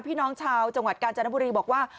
พี่น้องชาวจังหวัดกาญจนบุรีบอกว่า